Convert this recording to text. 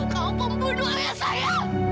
kau pembunuh ayah saya